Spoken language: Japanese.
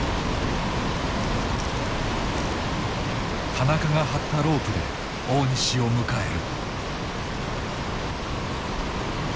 田中が張ったロープで大西を迎える。